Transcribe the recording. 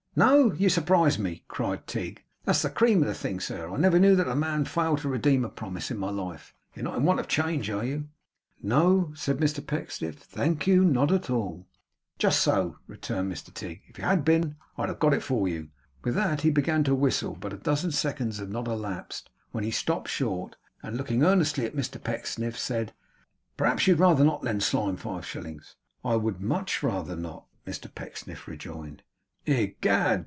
'No! You surprise me!' cried Tigg. 'That's the cream of the thing sir. I never knew that man fail to redeem a promise, in my life. You're not in want of change, are you?' 'No,' said Mr Pecksniff, 'thank you. Not at all.' 'Just so,' returned Mr Tigg. 'If you had been, I'd have got it for you.' With that he began to whistle; but a dozen seconds had not elapsed when he stopped short, and looking earnestly at Mr Pecksniff, said: 'Perhaps you'd rather not lend Slyme five shillings?' 'I would much rather not,' Mr Pecksniff rejoined. 'Egad!